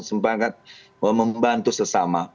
semangat membantu sesama